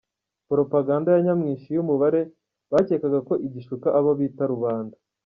Poropaganda ya nyamwinshi y’umubare, bakekaga ko igishuka abo bita rubanda.